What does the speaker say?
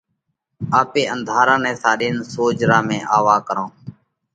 آپي انڌارا نئہ ساڏينَ سوجھرا ۾ آوَو ڪرونه۔